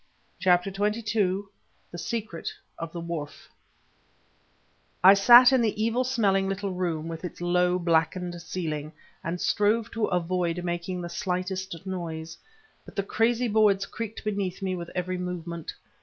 CHAPTER XXII THE SECRET OF THE WHARF I sat in the evil smelling little room with its low, blackened ceiling, and strove to avoid making the slightest noise; but the crazy boards creaked beneath me with every movement.